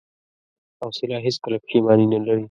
حوصله هیڅکله پښېماني نه لري.